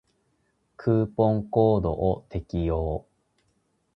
クーポンコードを適用